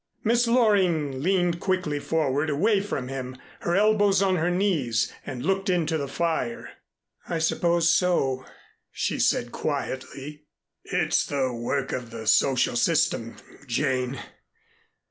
Miss Loring leaned quickly forward away from him, her elbows on her knees, and looked into the fire. "I suppose so," she said quietly. "It's the work of the social system, Jane.